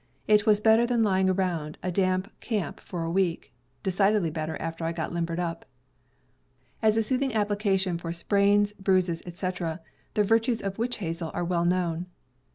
It was better than lying around a damp camp for a week — decidedly better after I got limbered up. As a soothing application for sprains, bruises, etc., the virtues of witch hazel are well known.